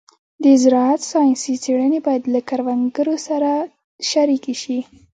د زراعت ساینسي څېړنې باید له کروندګرو سره شریکې شي.